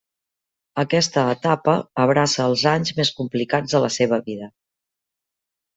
Aquesta etapa abraça els anys més complicats de la seva vida.